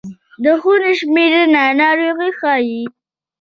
د خونې شمېرنه ناروغي ښيي.